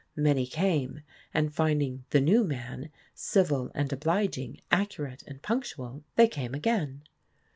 Many came, and, finding "the new man" civil and obliging, accurate and punctual, they came again.